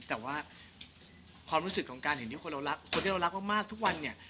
แต่ว่าความรู้สึกของการเห็นที่คนเรารักคนที่เรารักมากทุกวันเนี่ย